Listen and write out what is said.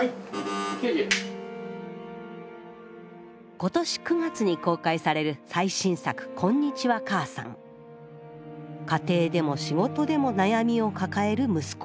今年９月に公開される最新作家庭でも仕事でも悩みを抱える息子。